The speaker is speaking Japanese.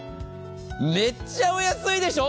めっちゃお安いでしょう。